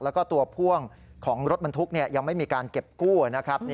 แล้วก็ตัวพ่วงของรถบรรทุกยังไม่มีการเก็บกู้นะครับ